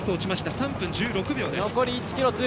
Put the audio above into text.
３分１６秒です。